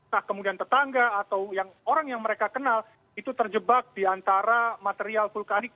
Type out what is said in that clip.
nah kemudian tetangga atau yang orang yang mereka kenal itu terjebak di antara material vulkanik